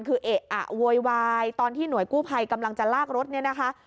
คือเอะอะโวยวายตอนที่หน่วยกู้ภัยกำลังจะลากรถเนี่ยนะคะ